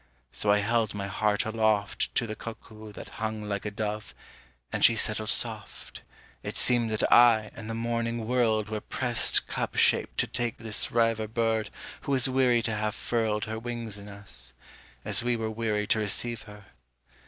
So I held my heart aloft To the cuckoo that hung like a dove, And she settled soft It seemed that I and the morning world Were pressed cup shape to take this reiver Bird who was weary to have furled Her wings in us, As we were weary to receive her.